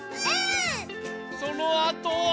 そのあとは。